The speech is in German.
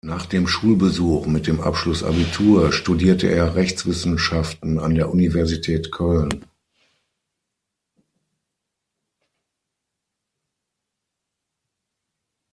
Nach dem Schulbesuch mit dem Abschluss Abitur studierte er Rechtswissenschaften an der Universität Köln.